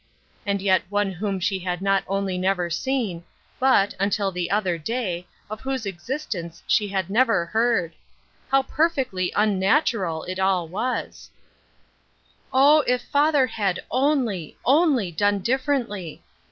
And yet one whom she had not only never seen, but, until the other day, of whose existence she had never heard I How perfectly unnatural it all was I Oh, if father had only, only done differently